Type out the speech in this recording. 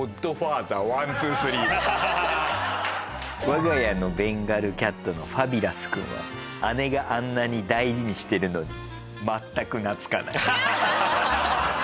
「わが家のベンガルキャットのファビュラス君は姉があんなに大事にしてるのにまったく懐かない」